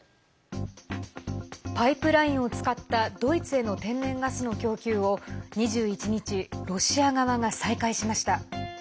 パイプラインを使ったドイツへの天然ガスの供給を２１日、ロシア側が再開しました。